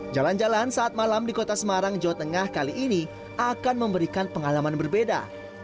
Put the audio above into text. jalan jalan saat malam di kota semarang jawa tengah kali ini akan memberikan pengalaman berbeda